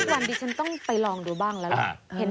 วันดิฉันต้องไปลองดูบ้างแล้วล่ะ